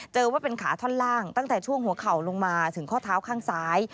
ว่าเป็นขาท่อนล่างตั้งแต่ช่วงหัวเข่าลงมาถึงข้อเท้าข้างซ้าย